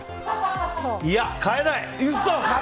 いや、変えない！